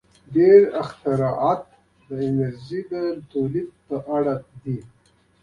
• ډېری اختراعات د انرژۍ د تولید په اړه دي.